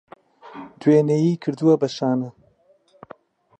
دوێنێی کردوە بە شانە